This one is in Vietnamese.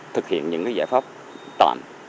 thực hiện những giải pháp toàn